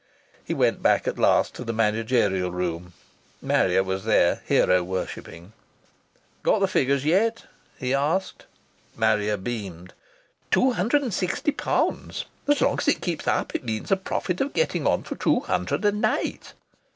He went back at last to the managerial room. Marrier was there, hero worshipping. "Got the figures yet?" he asked. Marrier beamed. "Two hundred and sixty pounds. As long as it keeps up it means a profit of getting on for two hundred a naight!"